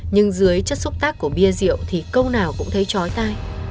nhưng dưới chất xúc tác của bia rượu thì câu nào cũng thấy chói tai